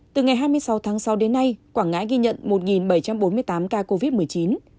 từ ngày hai mươi sáu tháng sáu đến nay quảng ngãi ghi nhận một bảy trăm bốn mươi tám ca covid một mươi chín